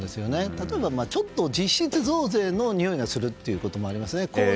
例えばちょっと実質増税のにおいがするということもありますね。